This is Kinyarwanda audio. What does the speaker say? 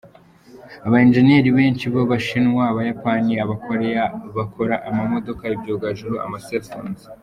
Aba engineers benshi b'abashinwa, abayapani, abakoreya bakora amamodoka, ibyogajuru, ama cellphones.